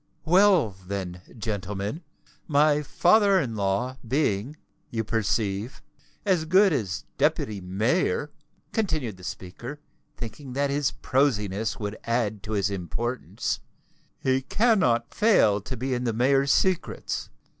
Well, then, gentlemen, my father in law being, you perceive, as good as Deputy Mayor," continued the speaker, thinking that his prosiness would add to his importance, "he cannot fail to be in the mayor's secrets.